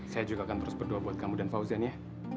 saya juga akan terus berdoa buat kamu dan fauzan ya